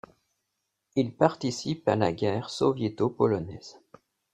Il participe à la Guerre soviéto-polonaise.